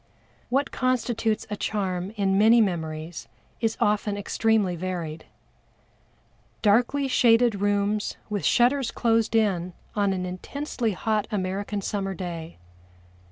What constitutes a charm in many memories is often extremely varied. Darkly shaded rooms with shutters closed in on an intensely hot American summer day.